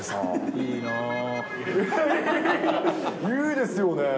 いいですよね。